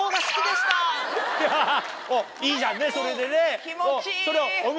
ハハハいいじゃんねそれでね。